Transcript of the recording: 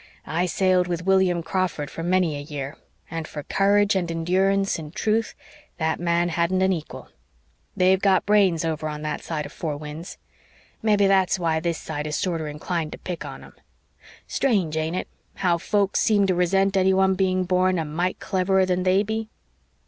"I sailed with William Crawford for many a year, and for courage and endurance and truth that man hadn't an equal. They've got brains over on that side of Four Winds. Mebbe that's why this side is sorter inclined to pick on 'em. Strange, ain't it, how folks seem to resent anyone being born a mite cleverer than they be."